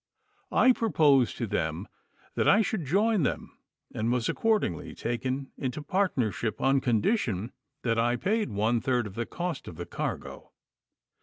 I proposed to them that I should join them, and was accordingly taken into partnership on condition that I paid one third of the cost of the cargo.